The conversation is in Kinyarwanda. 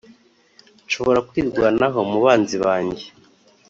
nshobora kwirwanaho mu banzi banjye